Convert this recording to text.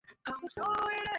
ভাবিস না এখানেই সব শেষ।